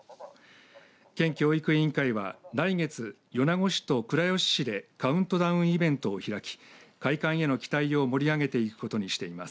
県教育委員会は来月米子市と倉吉市でカウントダウンイベントを開き開館への期待を盛り上げていくことにしています。